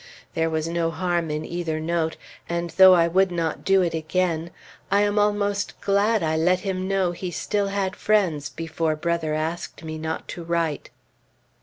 There was no harm in either note, and though I would not do it again, I am almost glad I let him know he still had friends before Brother asked me not to write.